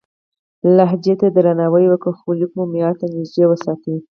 لهجې ته درناوی وکړئ، خو لیک مو معیار ته نږدې وساتئ.